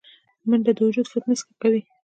منډه د وجود فټنس ښه کوي